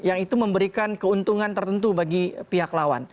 yang itu memberikan keuntungan tertentu bagi pihak lawan